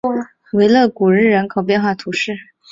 维勒古日人口变化图示